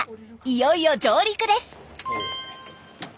いよいよ上陸です。